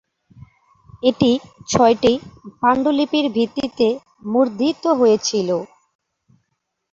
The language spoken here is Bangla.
এটি ছয়টি পাণ্ডুলিপির ভিত্তিতে মুদ্রিত হয়েছিল।